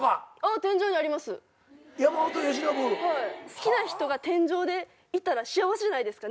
好きな人が天井でいたら幸せじゃないですか寝るときに。